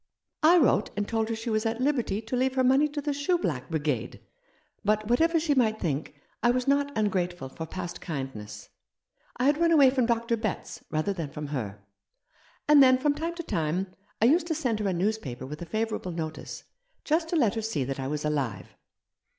" I wrote and told her she was at liberty to leave her money to the shoe black brigade ; but what ever she might think, I was not ungrateful for past kindness. I had run away from Dr. Betts, rather than from her. And then from time to time I used to send her a newspaper with a favourable notice, just to let her see that I was alive."